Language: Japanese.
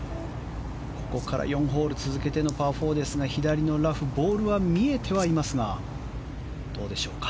ここから４ホール続けてのパー４ですが左のラフ、ボールは見えてはいますがどうでしょうか。